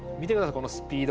このスピード。